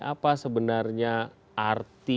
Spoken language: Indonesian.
apa sebenarnya arti yang muncul